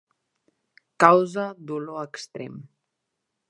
Causa dolor extrem.